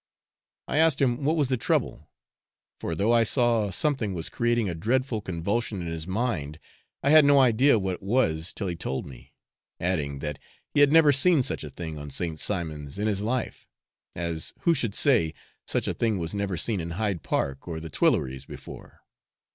I asked him what was the trouble, for though I saw something was creating a dreadful convulsion in his mind, I had no idea what it was till he told me, adding, that he had never seen such a thing on St. Simon's in his life as who should say, such a thing was never seen in Hyde Park or the Tuileries before.